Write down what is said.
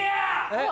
えっ？